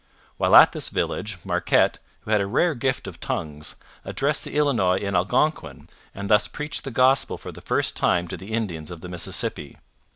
While at this village, Marquette, who had a rare gift of tongues, addressed the Illinois in Algonquin, and thus preached the Gospel for the first time to the Indians of the Mississippi.